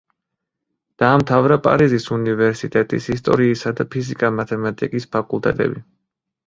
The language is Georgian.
დაამთავრა პარიზის უნივერსიტეტის ისტორიისა და ფიზიკა-მათემატიკის ფაკულტეტები.